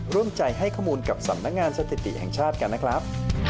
ร่วมใจให้ข้อมูลกับสำนักงานสถิติแห่งชาติกันนะครับ